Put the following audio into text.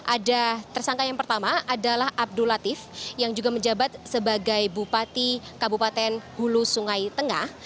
ada tersangka yang pertama adalah abdul latif yang juga menjabat sebagai bupati kabupaten hulu sungai tengah